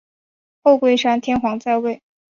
后龟山天皇在位。